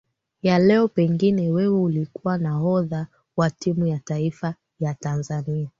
ya leo pengine wewe ulikuwa nahodha wa timu ya taifa ya tanzania